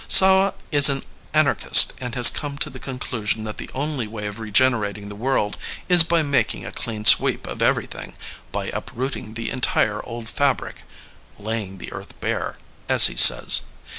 Sawa is an anarchist and has come to the conclusion that the only way of regenerating the world is by making a clean sweep of everything, by uprooting the entire old fabric, laying the earth bare,'' as he says.